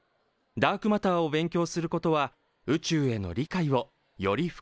ダークマターを勉強することは宇宙への理解をより深めてくれるでしょう。